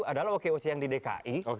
adalah oke oce yang di dki